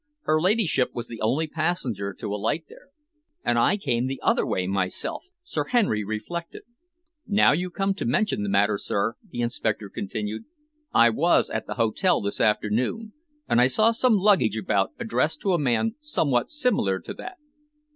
Her ladyship was the only passenger to alight here." "And I came the other way myself," Sir Henry reflected. "Now you come to mention the matter, sir," the inspector continued, "I was up at the hotel this afternoon, and I saw some luggage about addressed to a name somewhat similar to that."